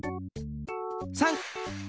３！